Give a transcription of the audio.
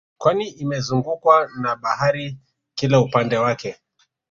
Kwani imezungukwa na bahari kila upande wake